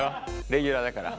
レギュラーだから。